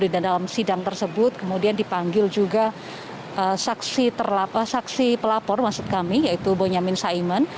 dan dalam sidang tersebut kemudian dipanggil juga saksi pelapor yaitu bonyamin saiman